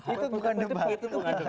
itu bukan debat